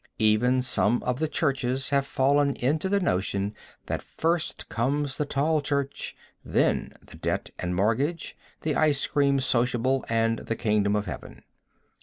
Even some of the churches have fallen into the notion that first comes the tall church, then the debt and mortgage, the ice cream sociable and the kingdom of Heaven.